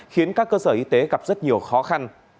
khiến các cơ sở y tế gặp rất nhiều khó khăn